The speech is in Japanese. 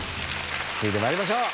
続いて参りましょう。